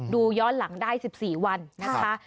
ย้อนหลังได้๑๔วันนะคะ